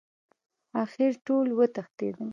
اخر ټول وتښتېدل.